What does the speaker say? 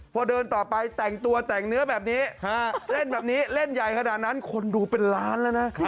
พอเดินต่อไปแต่งตัวแต่งเนื้อแบบนี้เล่นแบบนี้เล่นใหญ่ขนาดนั้นคนดูเป็นล้านแล้วนะ